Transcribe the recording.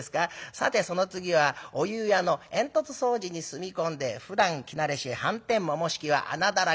『さてその次はお湯屋の煙突掃除に住み込んでふだん着慣れしはんてんももひきは穴だらけ。